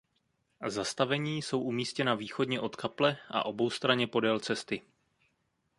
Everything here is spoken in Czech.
Zastavení jsou umístěna východně od kaple a oboustranně podél cesty.